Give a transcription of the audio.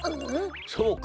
そうか！